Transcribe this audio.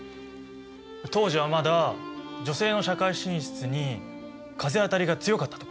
当時はまだ女性の社会進出に風当たりが強かったとか。